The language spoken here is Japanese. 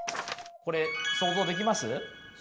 これ想像できます？